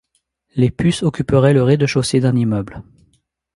Les puces occuperaient le rez-de-chaussée d'un immeuble.